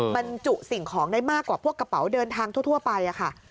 บรรจุสิ่งของได้มากกว่าพวกกระเป๋าเดินทางทั่วไปค่ะ